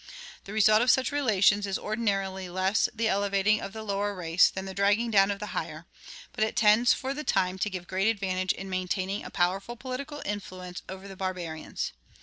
The result of such relations is ordinarily less the elevating of the lower race than the dragging down of the higher; but it tends for the time to give great advantage in maintaining a powerful political influence over the barbarians.